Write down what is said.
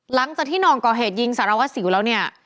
หลังจากที่หน่องก่อเหตุยิงสารวัสสิวแล้วเนี่ย